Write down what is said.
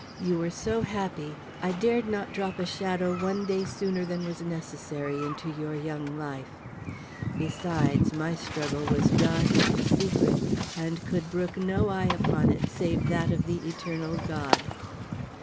You were so happy, I dared not drop a shadow one day sooner than was necessary into your young life. Besides, my struggle was dark and secret, and could brook no eye upon it save that of the eternal God.